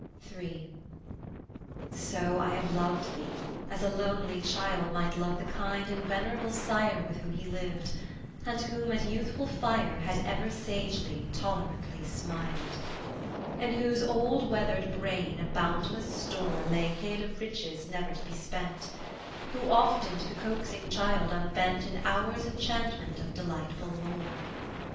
III So I have loved thee, as a lonely child Might love the kind and venerable sire With whom he lived, and whom at youthful fire Had ever sagely, tolerantly smiled; In whose old weathered brain a boundless store Lay hid of riches never to be spent; Who often to the coaxing child unbent In hours' enchantment of delightful lore.